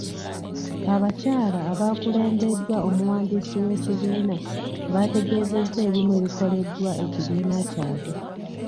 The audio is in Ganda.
Abakyala abaakulembeddwa omuwandiisi w'ekibiina baategeezezza ebimu ebikoleddwa ekibiina kyabwe.